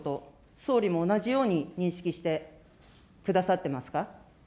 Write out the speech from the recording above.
総理も同じように認識してくださってますか。